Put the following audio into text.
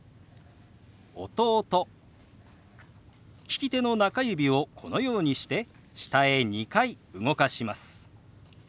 利き手の中指をこのようにして下へ２回動かします。